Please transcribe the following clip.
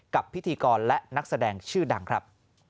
พิธีกรและนักแสดงชื่อดังครับ